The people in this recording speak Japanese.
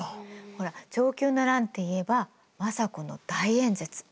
ほら承久の乱っていえば政子の大演説。